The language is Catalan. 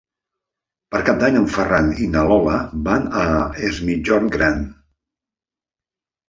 Per Cap d'Any en Ferran i na Lola van a Es Migjorn Gran.